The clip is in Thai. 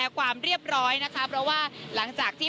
ความเรียบร้อยนะคะเพราะว่าหลังจากที่